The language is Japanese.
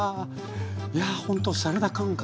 いやあほんとサラダ感覚で。